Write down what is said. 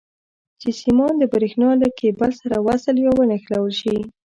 چې سیمان د برېښنا له کیبل سره وصل یا ونښلول شي.